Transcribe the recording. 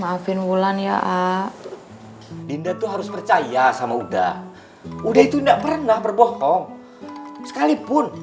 maafin wulan ya dinda tuh harus percaya sama udah udah itu enggak pernah berbohong sekalipun